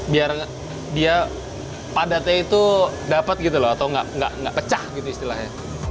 biar dia padatnya itu dapat gitu loh atau nggak pecah gitu istilahnya